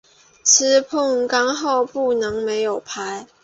吃碰杠后不能没有牌。